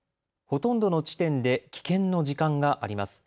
ほとんどの地点で危険の時間があります。